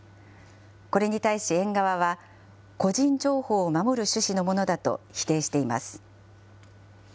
これに対し、園側は、個人情報を守る趣旨のものだと否定しています。